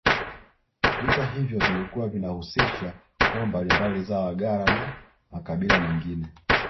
Vita hivyo vilikuwa vinahusisha koo mbalimbali za Wagala na makabila mengine